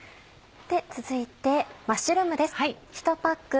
続いてマッシュルームです。